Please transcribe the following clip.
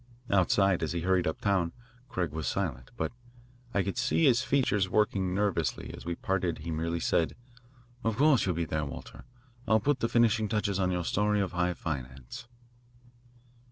Outside, as he hurried uptown, Craig was silent, but I could see his features working nervously, and as we parted he merely said: "Of course, you'll be there, Walter. I'll put the finishing touches on your story of high finance."